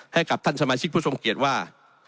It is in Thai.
ให้กับท่านสมาชิกผู้ทรงเกียจว่า